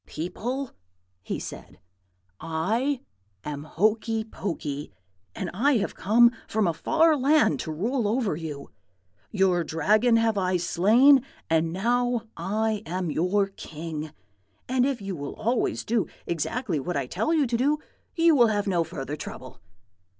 "'People,' he said, 'I am Hokey Pokey, and I have come from a far land to rule over you. Your Dragon have I slain, and now I am your king; and if you will always do exactly what I tell you to do, you will have no further trouble.'